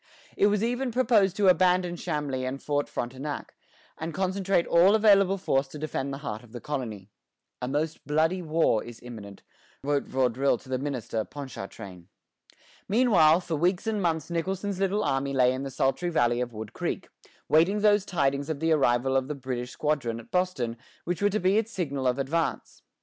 It was even proposed to abandon Chambly and Fort Frontenac, and concentrate all available force to defend the heart of the colony. "A most bloody war is imminent," wrote Vaudreuil to the minister, Ponchartrain. Meanwhile, for weeks and months Nicholson's little army lay in the sultry valley of Wood Creek, waiting those tidings of the arrival of the British squadron at Boston which were to be its signal of advance.